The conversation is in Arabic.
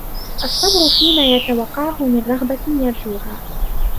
الصَّبْرُ فِيمَا يَتَوَقَّعُهُ مِنْ رَغْبَةٍ يَرْجُوهَا